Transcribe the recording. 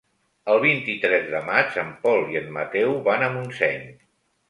El vint-i-tres de maig en Pol i en Mateu van a Montseny.